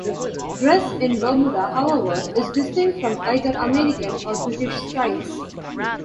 Dress in Bermuda, however, is distinct from either American or British styles.